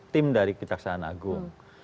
tim dari kejaksaan agung